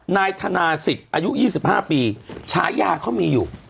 นายธนาศิษย์อายุ๒๕ปีฉายาเขามีอยู่